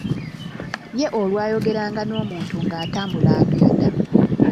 Ye olwayogeranga n'omuntu ng'atambula agenda.